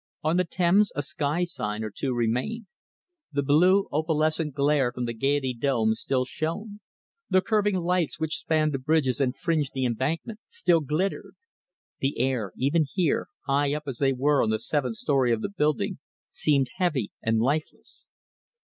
On the Thames a sky sign or two remained. The blue, opalescent glare from the Gaiety dome still shone. The curving lights which spanned the bridges and fringed the Embankment still glittered. The air, even here, high up as they were on the seventh story of the building, seemed heavy and lifeless.